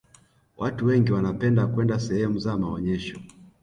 watu wengi wanapenda kwenda sehemu za maonyesho